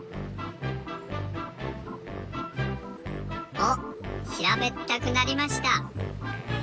おっひらべったくなりました。